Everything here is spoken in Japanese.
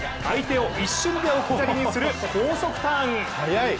相手を一瞬で置き去りにする高速ターン。